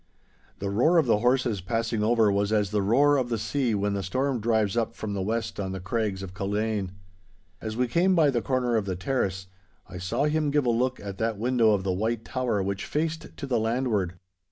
The roar of the horses passing over was as the roar of the sea when the storm drives up from the west on the Craigs of Culzean. As we came by the corner of the terrace, I saw him give a look at that window of the White Tower which faced to the landward.